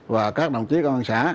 và các đồng chí công an xã